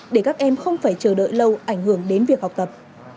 để các em không phải chờ đợi lâu ảnh hưởng đến việc học tập